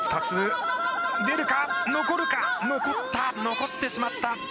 ２つ、出るか、残るか、残った、残ってしまった。